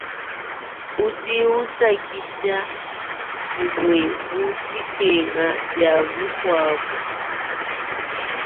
Udi usankisha, bumue mu dikengesha dia mukuabu.